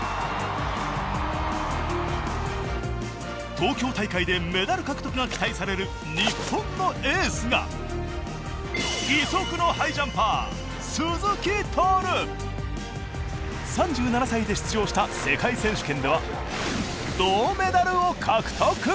東京大会でメダル獲得が期待される日本のエースが義足のハイジャンパー３７歳で出場した世界選手権では銅メダルを獲得！